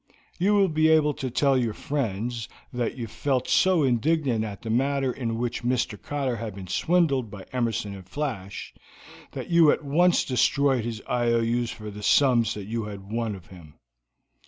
You will be able to tell your friends that you felt so indignant at the manner in which Mr. Cotter had been swindled by Emerson and Flash that you at once destroyed his IOUs for the sums that you had won of him.